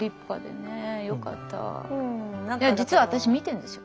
いや実は私見てるんですよ。